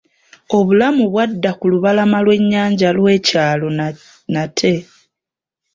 Obulamu bw'adda ku lubalama lw'ennyanja lwe kyalo n'ate.